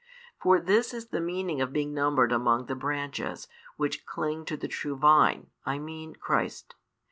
For this is the |385 meaning of being numbered among the branches, which cling to the true Vine, I mean Christ.